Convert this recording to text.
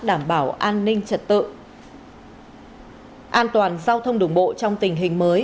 đảm bảo an ninh trật tự an toàn giao thông đường bộ trong tình hình mới